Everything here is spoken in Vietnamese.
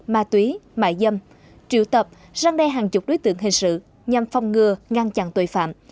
ma túy mại dâm triệu tập răng đe hàng chục đối tượng hình sự nhằm phòng ngừa ngăn chặn tội phạm